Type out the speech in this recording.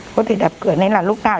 có thể đập cửa nên là lúc nào